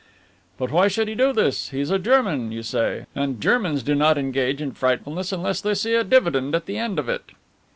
"But why should he do this he is a German, you say and Germans do not engage in frightfulness unless they see a dividend at the end of it."